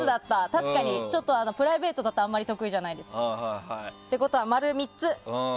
確かに、プライベートだとあまり得意じゃないです。ということは○３つ。